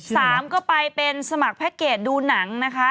สามก็ไปเป็นสมัครแพ็คเกจดูหนังนะคะ